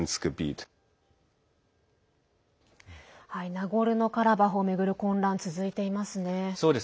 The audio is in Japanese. ナゴルノカラバフを巡る混乱、続いていますね。